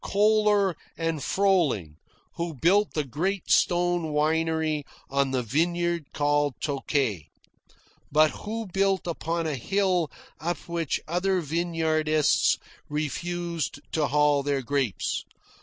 Kohler and Frohling who built the great stone winery on the vineyard called Tokay, but who built upon a hill up which other vineyardists refused to haul their grapes.